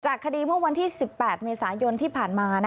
คดีเมื่อวันที่๑๘เมษายนที่ผ่านมา